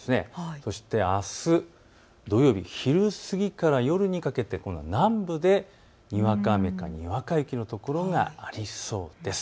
そしてあす土曜日、昼過ぎから夜にかけてこの南部でにわか雨かにわか雪の所がありそうです。